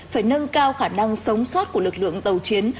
phải nâng cao khả năng sống sót của lực lượng tàu chiến